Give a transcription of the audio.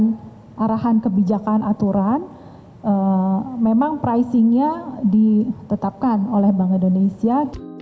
dan arahan kebijakan aturan memang pricingnya ditetapkan oleh bank indonesia